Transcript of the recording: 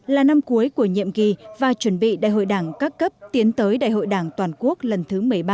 là năm cuối của nhiệm kỳ và chuẩn bị đại hội đảng các cấp tiến tới đại hội đảng toàn quốc lần thứ một mươi ba